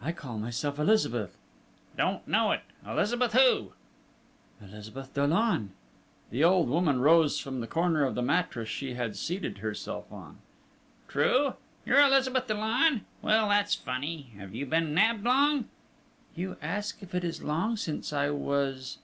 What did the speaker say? "I call myself Elizabeth!" "Don't know it!... Elizabeth, who?..." "Elizabeth Dollon...." The old woman rose from the corner of the mattress she had seated herself on. "True? You're Elizabeth Dollon?... Well, that's funny! Have you been nabbed long?..." "You ask if it is long since I was...?"